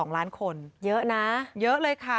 ๒ล้านคนเยอะนะเยอะเลยค่ะ